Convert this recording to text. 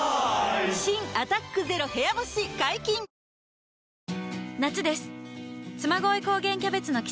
新「アタックＺＥＲＯ部屋干し」解禁‼いい汗。